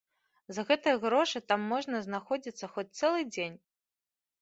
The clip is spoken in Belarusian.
За гэтыя грошы там можна знаходзіцца хоць цэлы дзень.